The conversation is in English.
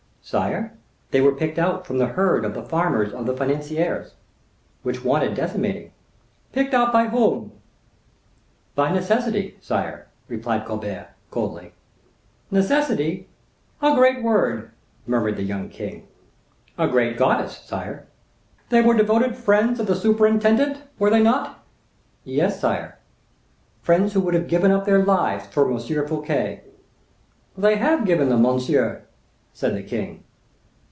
"Sire, they were picked out from the herd of the farmers of the financiers, which wanted decimating." "Picked out by whom?" "By necessity, sire," replied Colbert, coldly. "Necessity!—a great word," murmured the young king. "A great goddess, sire." "They were devoted friends of the superintendent, were they not?" "Yes, sire; friends who would have given up their lives for Monsieur Fouquet." "They have given them, monsieur," said the king.